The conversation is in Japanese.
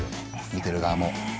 見てる側も。